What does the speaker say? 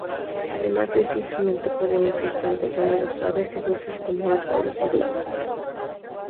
Además este instrumento puede emitir tanto sonidos suaves y dulces como ásperos y duros.